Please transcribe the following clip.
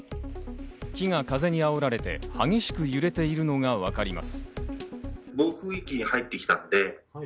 木が風にあおられて激しく揺れているのがわかります。